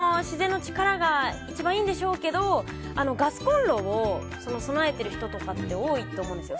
できれば自然の力が一番いいんでしょうけどガスコンロを備えている人とかって多いと思うんですよ。